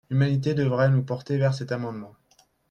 L’unanimité devrait nous porter vers cet amendement